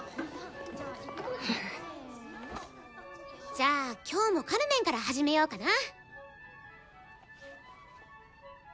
じゃあ今日も「カルメン」から始めようかな。